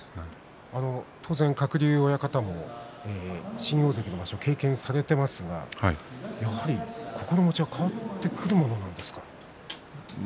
当然、鶴竜親方も大関を経験されていますがやはり心持ちは変わってくるものなんですか？